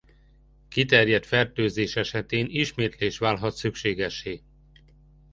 Kiterjedt fertőzés esetén ismétlés válhat szükségessé.